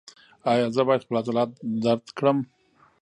ایا زه باید خپل عضلات درد کړم؟